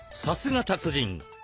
さすが達人！